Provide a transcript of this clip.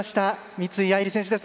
三井愛梨選手です。